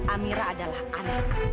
amira adalah anak